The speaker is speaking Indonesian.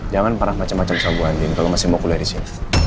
jangan parah macam macam sama bu andien kalau masih mau kuliah disini